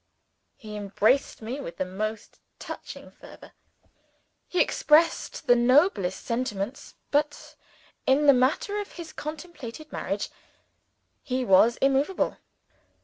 He embraced me with the most touching fervour; he expressed the noblest sentiments but in the matter of his contemplated marriage, he was immovable.